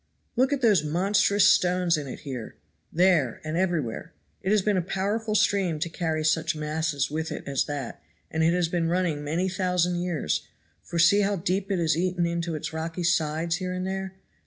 "Look at those monstrous stones in it here, there and everywhere. It has been a powerful stream to carry such masses with it as that, and it has been running many thousand years, for see how deep it has eaten into its rocky sides here and there.